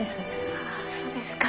あそうですか。